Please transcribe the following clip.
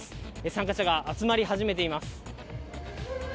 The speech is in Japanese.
参加者が集まり始めています。